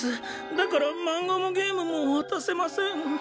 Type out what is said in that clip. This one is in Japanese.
だからマンガもゲームもわたせません。